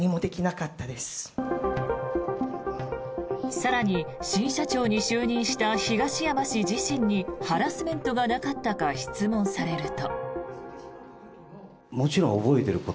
更に新社長に就任した東山氏自身にハラスメントがなかったか質問されると。